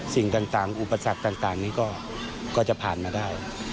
สิ่งต่างอุปสรรคต่างนี้ก็จะผ่านมาได้